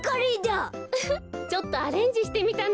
うふっちょっとアレンジしてみたの。